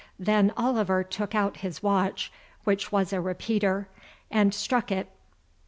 Then Oliver took out his watch, which was a repeater, and struck it.